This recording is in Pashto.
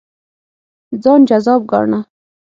ځان جذاب ګاڼه.